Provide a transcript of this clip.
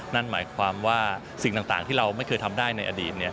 นั่นหมายความว่าสิ่งต่างที่เราไม่เคยทำได้ในอดีต